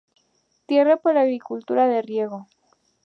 Tierra para agricultura de riego.